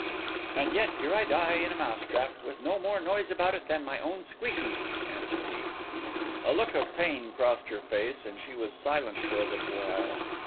"And yet here I die in a mouse trap—with no more noise about it than my own squeaking," answered he. A look of pain crossed her face, and she was silent for a little while.